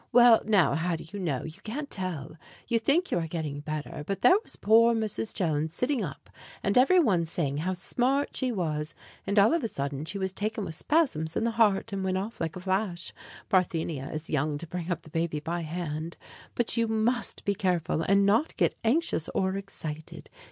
Well, now, how do you know? You can't tell. You think you are getting better, but there was poor Mrs. Jones sitting up, and every one saying how smart she was, and all of a sudden she was taken with spasms in the heart, and went off like a flash. Parthenia is young to bring the baby up by hand. But you must be careful, and not get anxious or excited.